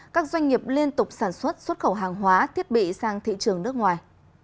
các doanh nghiệp liên tục sản xuất xuất khẩu hàng hóa thiết bị sang thị trường nước ngoài